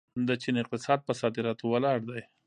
د چین اقتصاد په صادراتو ولاړ دی.